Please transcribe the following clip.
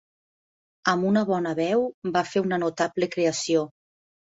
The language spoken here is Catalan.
Amb una bona veu, va fer una notable creació.